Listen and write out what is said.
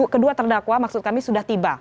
kedua terdakwa maksud kami sudah tiba